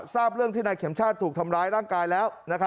ทราบเรื่องที่นายเข็มชาติถูกทำร้ายร่างกายแล้ว